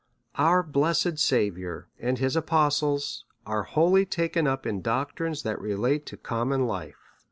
Our blessed Saviour and his apostles are wholly taken up in doctrines that relate to common life.